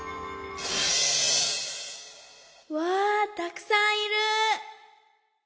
わあたくさんいる！